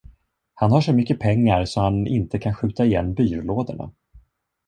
Han har så mycket pengar, så han inte kan skjuta igen byrålådorna!